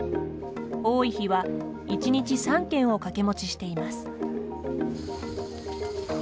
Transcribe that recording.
多い日は、１日３軒を掛け持ちしています。